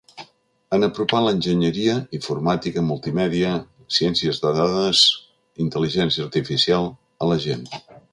En apropar l’enginyeria —informàtica, multimèdia, ciència de dades, intel·ligència artificial…— a la gent.